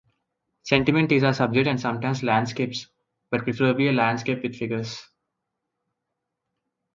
Sentiment is our subject and sometimes landscape, but preferably a landscape with figures.